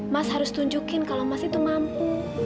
mas harus tunjukin kalau mas itu mampu